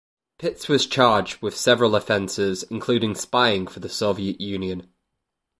Pitts was charged with several offenses, including spying for the Soviet Union.